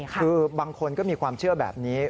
คือบางคนก็มีความเชื่อแบบนี้